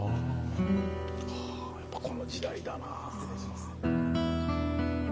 はぁやっぱこの時代だなあ。